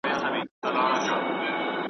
انجنیر سلطان جان کلیوال د ښې شاعرۍ تر څنګ .